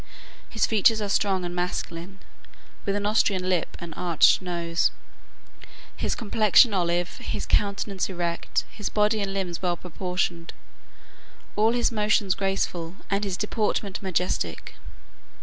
His features are strong and masculine, with an Austrian lip and arched nose, his complexion olive, his countenance erect, his body and limbs well proportioned, all his motions graceful, and his deportment majestic.